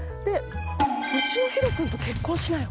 「うちのひろ君と結婚しなよ！」